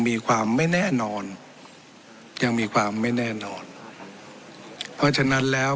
มีความไม่แน่นอนยังมีความไม่แน่นอนเพราะฉะนั้นแล้ว